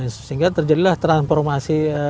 sehingga terjadilah transformasi